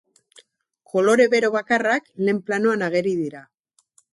Kolore bero bakarrak lehen planoan ageri dira.